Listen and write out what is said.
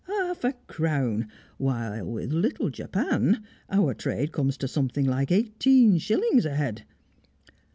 Half a crown! While with little Japan, our trade comes to something like eighteen shillings a head.